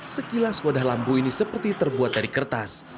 sekilas wadah lampu ini seperti terbuat dari kertas